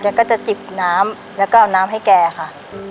ก็จะจิบน้ำแล้วก็เอาน้ำให้แกค่ะ